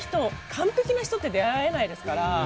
完璧な人って出会えないですから。